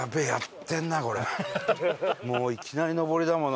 もういきなり上りだもの。